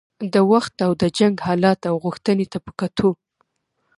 د وخت او د جنګ حالت او غوښتنې ته په کتو.